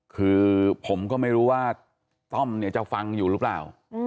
คือผมก็ไม่รู้ว่าต้อมเนี่ยจะฟังอยู่หรือเปล่า